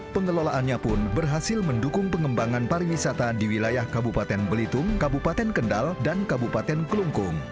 pengelolaannya pun berhasil mendukung pengembangan pariwisata di wilayah kabupaten belitung kabupaten kendal dan kabupaten kelungkung